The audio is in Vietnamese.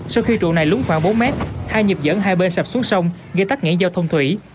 sau khi trụ này lúng khoảng bốn mét hai nhịp dẫn hai bên sập xuống sông gây tắc nghẽn giao thông thủy